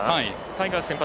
タイガース先発